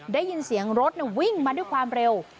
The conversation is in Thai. ได้ยินเสียงรถวิ่งมาด้วยความเร็ว